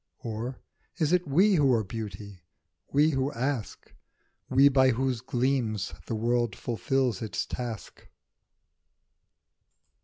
Or is it we who are Beauty, we who ask ? We by whose gleams the world fulfils its task.